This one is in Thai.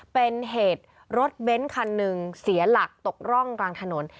เป็นเหตุรถเบ้นคันหนึ่งเสียหลักตกร่องกลางถนน